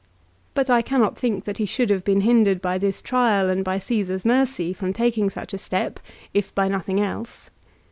But I cannot think that he should have been hindered by this trial and by Caesar's mercy from taking such a step, if by nothing else.